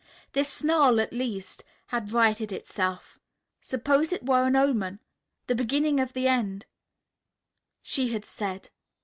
This snarl at least had righted itself. Suppose it were an omen? "The beginning of the end," she had said.